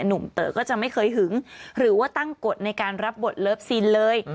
หนุ่มเต๋อก็จะไม่เคยหึงหรือว่าตั้งกฎในการรับบทเลิฟซีนเลย